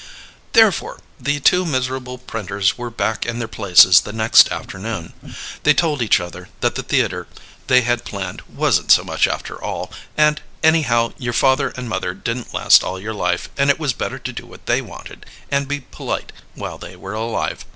Therefore, the two miserable printers were back in their places the next afternoon. They told each other that the theatre they had planned wasn't so much after all; and anyhow your father and mother didn't last all your life, and it was better to do what they wanted, and be polite while they were alive.